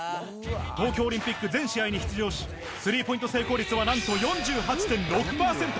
東京オリンピック全試合に出場し、スリーポイント成功率は、なんと４８．６％。